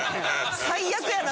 最悪やな